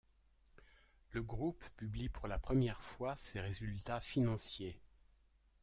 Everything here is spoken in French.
Le groupe publie pour la première fois ses résultats financiers.